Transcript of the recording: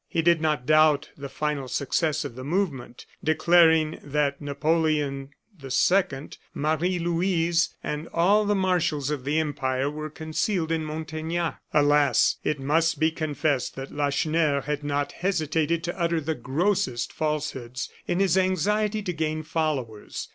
He did not doubt the final success of the movement, declaring that Napoleon II., Marie Louise, and all the marshals of the Empire were concealed in Montaignac. Alas! it must be confessed that Lacheneur had not hesitated to utter the grossest falsehoods in his anxiety to gain followers.